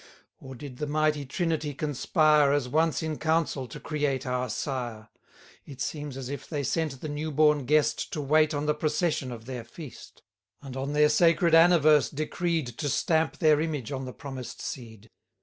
Or did the mighty Trinity conspire, As once in council, to create our sire? It seems as if they sent the new born guest To wait on the procession of their feast; And on their sacred anniverse decreed To stamp their image on the promised seed.